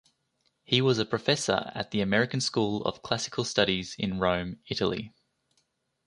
He was a professor at the American School of Classical Studies in Rome, Italy.